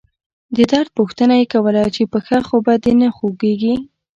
د درد پوښتنه يې کوله چې پښه خو به دې نه خوږيږي.